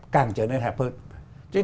càng trở nên hẹp hơn